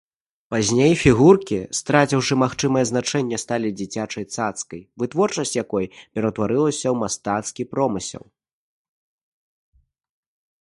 Пазней фігуркі, страціўшы магічнае значэнне, сталі дзіцячай цацкай, вытворчасць якой ператварылася ў мастацкі промысел.